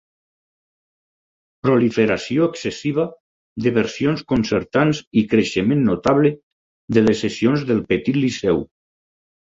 Proliferació excessiva de versions concertants i creixement notable de les sessions del Petit Liceu.